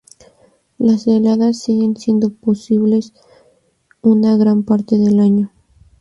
Las heladas siguen siendo posibles una gran parte del año.